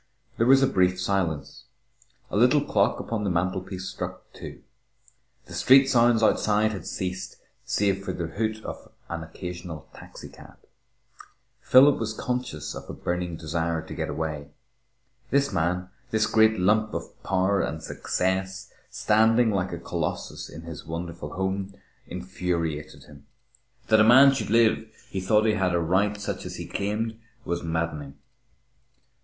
There was a brief silence. A little clock upon the mantelpiece struck two. The street sounds outside had ceased save for the hoot of an occasional taxicab. Philip was conscious of a burning desire to get away. This man, this great lump of power and success, standing like a colossus in his wonderful home, infuriated him. That a man should live who thought he had a right such as he claimed, was maddening.